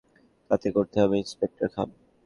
তাতে করতে হবে, ইন্সপেক্টর খান।